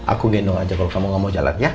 aku gendong aja kalau kamu gak mau jalan ya